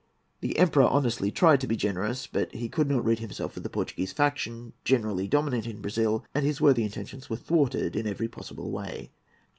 The Emperor honestly tried to be generous; but he could not rid himself of the Portuguese faction, generally dominant in Brazil, and his worthy intentions were thwarted in every possible way.